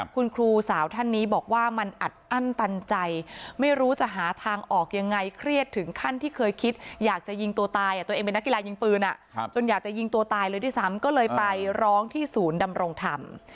คุณครูสาวท่านนี้บอกว่ามันอัดอั้นตันใจไม่รู้จะหาทางออกยังไงเครียดถึงขั้นที่เคยคิดอยากจะยิงตัวตายตัวเองเป็นนักกีฬายิงปืนจนอยากจะยิงตัวตายเลยด้วยซ้ำก็เลยไปร้องที่ศูนย์ดำรงธรรม